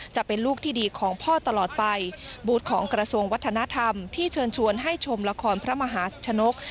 จะเป็นลูกที่ดีของพ่อตลอดไปบูธของกระทรวงวัฒนธรรมที่เชิญชวนให้ชมละครพระมหาชนก